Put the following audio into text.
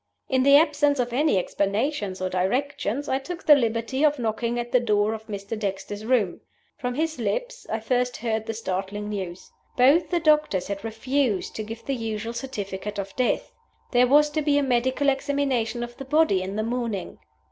"In the absence of any explanations or directions, I took the liberty of knocking at the door of Mr. Dexter's room. From his lips I first heard the startling news. Both the doctors had refused to give the usual certificate of death! There was to be a medical examination of the body the next morning."